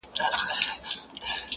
• دا انجام وي د خپل قام د غلیمانو ,